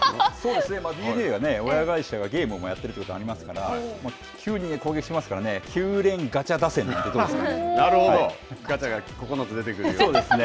ＤｅＮＡは、親会社がゲームもやっているということがありますから、９人で攻撃しますからね、きゅうれんガチャ打線なんて、どうですか。